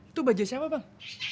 itu bajaj siapa bang